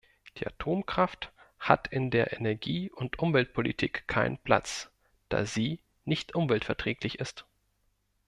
Die Atomkraft hat in der Energie- und Umweltpolitik keinen Platz, da sie nicht umweltverträglich ist.